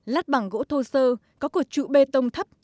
lát bằng gỗ thô sơ có cột trụ bê tông thấp